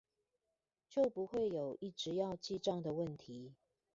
就不會有一直要記帳的問題